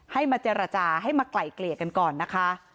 ให้มาเจรจาให้มาไกล่เกลี่ยกันก่อนนะคะ